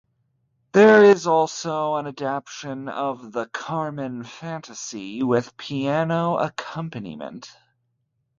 There is also an adaptation of the "Carmen Fantasy" with piano accompaniment.